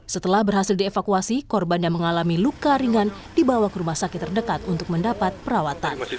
setelah berhasil dievakuasi korban yang mengalami luka ringan dibawa ke rumah sakit terdekat untuk mendapat perawatan